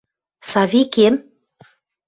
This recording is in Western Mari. – Савикем?